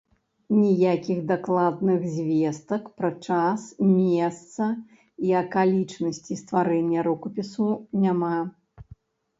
Ніякіх дакладных звестак пра час, месца і акалічнасці стварэння рукапісу няма.